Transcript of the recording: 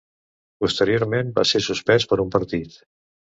Posteriorment va ser suspès per un partit.